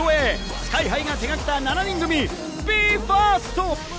ＳＫＹ−ＨＩが手がけた７人組、ＢＥ：ＦＩＲＳＴ。